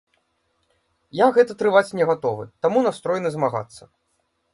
Я гэта трываць не гатовы, таму настроены змагацца.